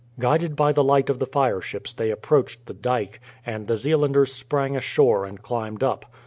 Guided by the light of the fireships they approached the dyke, and the Zeelanders sprang ashore and climbed up.